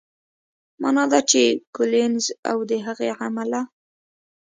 معنا دا چې کولینز او د هغې عمله